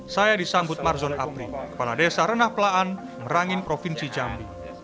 saya disambut marzon apri kepala desa renah pelaan merangin provinsi jambi